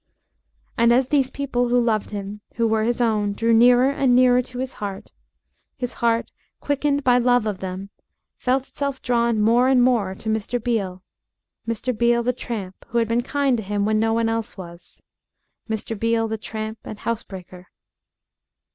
And as these people who loved him, who were his own, drew nearer and nearer to his heart his heart, quickened by love of them, felt itself drawn more and more to Mr. Beale. Mr. Beale, the tramp, who had been kind to him when no one else was. Mr. Beale, the tramp and housebreaker.